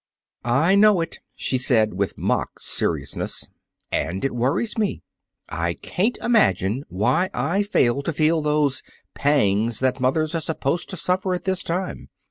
"I know it," she said, with mock seriousness, "and it worries me. I can't imagine why I fail to feel those pangs that mothers are supposed to suffer at this time.